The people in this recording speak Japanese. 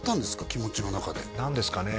気持ちの中で何ですかね？